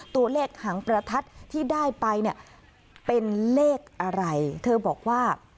ตัวเลขหางประทัดที่ได้ไปเนี่ยเป็นเลขอะไรเธอบอกว่า